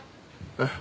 えっ？